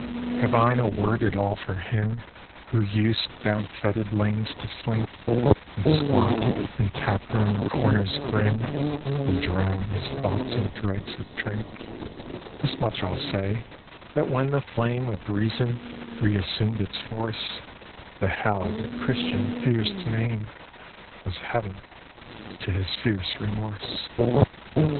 Have I no word at all for him Who used down fetid lanes to slink, And squat in tap room corners grim, And drown his thoughts in dregs of drink? This much I'll say, that when the flame Of reason reassumed its force, The hell the Christian fears to name, Was heaven to his fierce remorse.